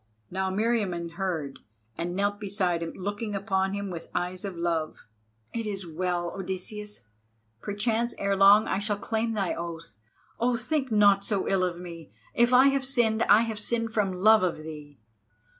Now Meriamun heard, and knelt beside him, looking upon him with eyes of love. "It is well, Odysseus: perchance ere long I shall claim thy oath. Oh, think not so ill of me: if I have sinned, I have sinned from love of thee.